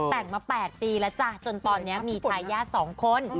แต่งมา๘ปีแล้วจ้ะจนตอนนี้มีทายาท๒คน